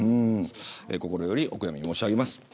心よりお悔み申し上げます。